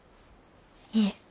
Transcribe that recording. いえ。